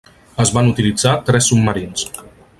Es van utilitzar tres submarins.